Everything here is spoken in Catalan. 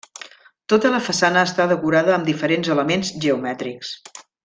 Tota la façana està decorada amb diferents elements geomètrics.